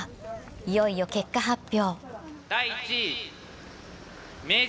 いよいよ結果発表。